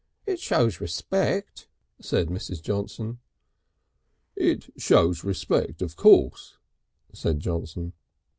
"It shows respect," said Mrs. Johnson. "It shows respect of course," said Johnson.